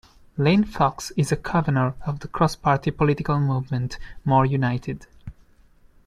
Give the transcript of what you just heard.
Lane Fox is a Covenor of the cross-party political movement, More United.